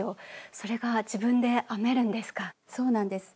それが自分で編めるんですか？